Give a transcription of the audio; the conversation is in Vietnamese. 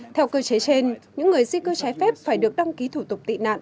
theo cơ chế trên những người di cư trái phép phải được đăng ký thủ tục tị nạn